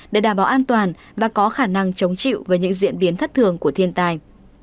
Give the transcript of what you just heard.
để đảm bảo an toàn và có khả năng chống chịu với những diễn biến thất thường của thiên tai